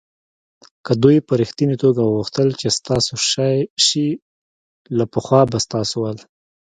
که دوی په ریښتني توگه غوښتل چې ستاسو شي له پخوا به ستاسو ول.